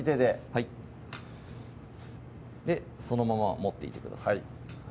はいそのまま持っていてください